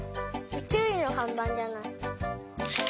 ちゅういのかんばんじゃない？